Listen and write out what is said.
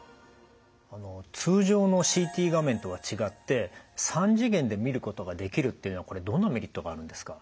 通常のＣＴ画面とは違って３次元で見ることができるっていうのはどんなメリットがあるんですか？